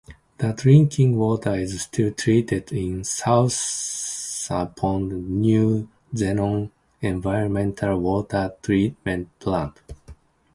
The drinking water is still treated in Southampton's new Zenon Environmental Water Treatment Plant.